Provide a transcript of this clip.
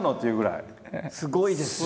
すごいですよね。